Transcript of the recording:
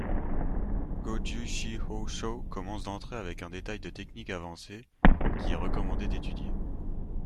Gojushiho Sho commence d'entrée avec un éventail de techniques avancées, qui est recommandé d'étudier.